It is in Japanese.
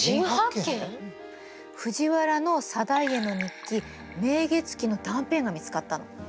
藤原定家の日記「明月記」の断片が見つかったの。